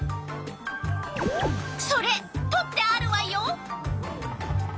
それとってあるわよ！